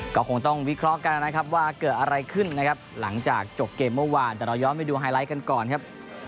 ก็คงต้องวิเคราะห์กันนะครับว่าเกิดอะไรขึ้นนะครับหลังจากจบเกมเมื่อวานแต่เราย้อนไปดูไฮไลท์กันก่อนครับ